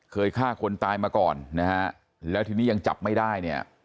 ฆ่าคนตายมาก่อนนะฮะแล้วทีนี้ยังจับไม่ได้เนี่ย